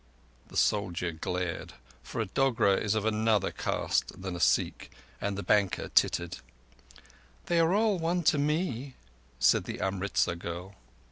The soldier glared, for a Dogra is of other caste than a Sikh, and the banker tittered. "They are all one to me," said the Amritzar girl.